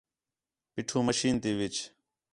پیٹھو مشین تی وِچ